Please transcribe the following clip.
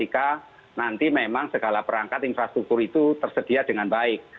karena nanti memang segala perangkat infrastruktur itu tersedia dengan baik